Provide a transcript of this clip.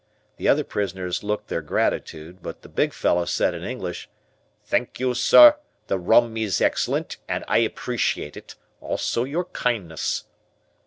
The other prisoners looked their gratitude, but the big fellow said in English, "Thank you, sir, the rum is excellent and I appreciate it, also your kindness."